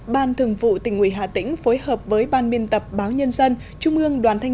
ban thường vụ tỉnh ủy hà tĩnh phối hợp với ban biên tập báo nhân dân trung ương đoàn thanh